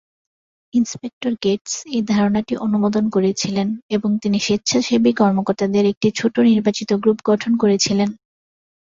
Inspector Gates এই ধারণাটি অনুমোদন করেছিলেন, এবং তিনি স্বেচ্ছাসেবী কর্মকর্তাদের একটি ছোট নির্বাচিত গ্রুপ গঠন করেছিলেন।